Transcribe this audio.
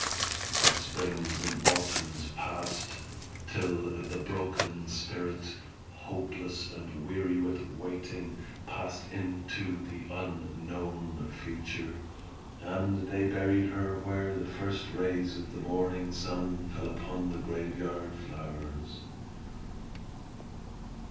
But springs and autumns passed, till the broken spirit, hopeless and weary with waiting, passed into the unknown future, and they buried her where the first rays of the morning sun fell upon the graveyard flowers.